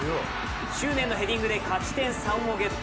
執念のヘディングで勝ち点３をゲット！